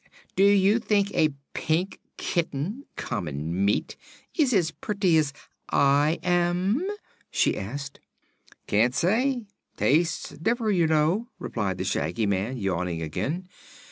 "Do you think a pink kitten common meat is as pretty as I am?" she asked. "Can't say. Tastes differ, you know," replied the Shaggy Man, yawning again.